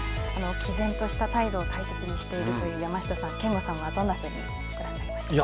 毅然とした態度を大切にしているという山下さん、憲剛さんはどんなふうにご覧になりましたか。